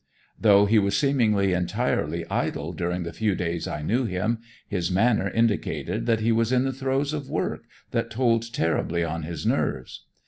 Though he was seemingly entirely idle during the few days I knew him, his manner indicated that he was in the throes of work that told terribly on his nerves.